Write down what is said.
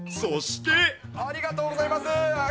ありがとうございます。